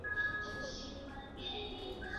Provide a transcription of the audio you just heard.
现任大使是长岭安政。